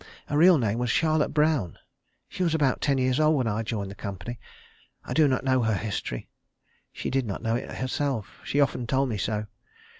Her real name was Charlotte Brown. She was about ten years old when I joined the company. I do not know her history. She did not know it herself. She often told me so.